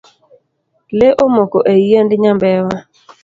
Lee omoko e yiend nyambewa.